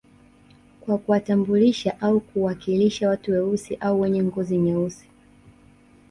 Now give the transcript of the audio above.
Kwa kuwatambulisha au kuwakilisha watu weusi au wenye ngoz nyeusi